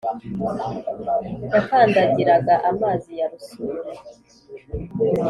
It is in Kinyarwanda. Yakandagiraga amazi ya Rusuri